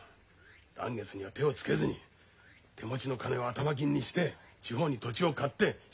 嵐月には手をつけずに手持ちの金を頭金にして地方に土地を買って引っ越す。